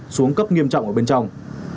xuống cấp nghiêm trọng ở bên trong